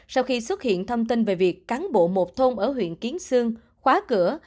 sau khi xuất hiện thông tin về việc cán bộ một thôn ở huyện kiến sương khóa cửa